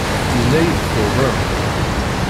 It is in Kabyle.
Yenna-iyi-d tuḍen.